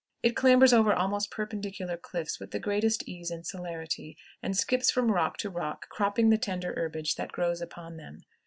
It clambers over almost perpendicular cliffs with the greatest ease and celerity, and skips from rock to rock, cropping the tender herbage that grows upon them.